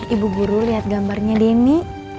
ibu guru lihat gambarnya denny